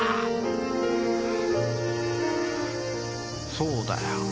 そうだよ。